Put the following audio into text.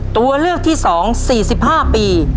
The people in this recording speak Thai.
ตัวเลือกที่๒๔๕ปี